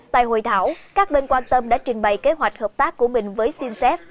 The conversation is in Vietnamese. tại hội thảo các bên quan tâm đã trình bày kế hoạch hợp tác của mình với sincef